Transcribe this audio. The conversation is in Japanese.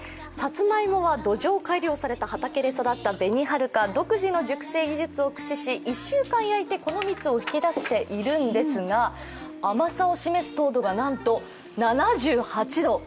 さつまいもは土壌改良された畑で育ったべにはるか、独自の熟成技術を駆使し、１週間焼いてこの蜜を引き出しているんですが甘さを示す糖度がなんと、７８度。